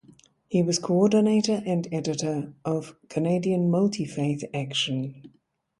He was coordinator and editor of Canadian Multi Faith Action.